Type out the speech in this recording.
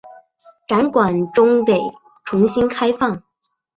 展馆终得重新开放。